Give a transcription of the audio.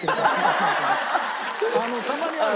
たまにある。